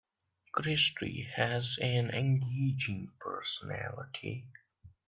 Christy has an engaging personality.